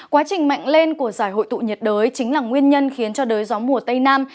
quá trình mạnh lên của giải hội tụ nhiệt đới chính là nguyên nhân khiến cho đới gió mùa tây nam